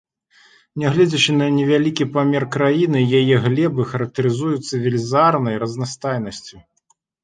Нягледзячы на невялікі памер краіны, яе глебы характарызуюцца велізарнай разнастайнасцю.